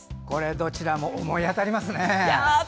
どちらも思い当たりますね。